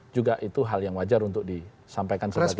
juga itu hal yang wajar untuk disampaikan sebagai